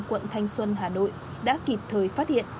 quận thanh xuân hà nội đã kịp thời phát hiện